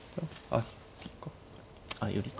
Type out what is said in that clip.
あっ寄りか。